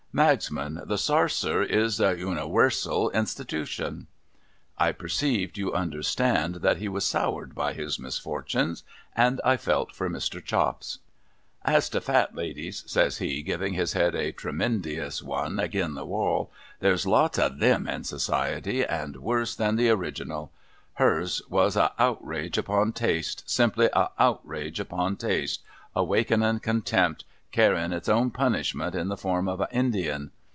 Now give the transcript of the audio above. Magsman, the sarser is the uniwersal Institution !' I perceived, you understand, that he was soured by his misfortuns, and I felt for Mr. Chops. ' As to Fat Ladies,' says he, giving bis head a trcmendious one agin the wall, ' there's lots of thcin in Society, and worse than the original. Hers was a outrage upon Taste — simply a outrage upon Taste — awakenin contempt — carryin its own punishment in the form of a Indian